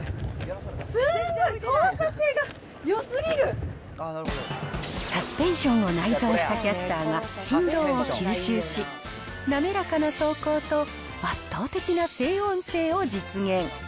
すごい、サスペンションを内蔵したキャスターが振動を吸収し、滑らかな走行と、圧倒的な静音性を実現。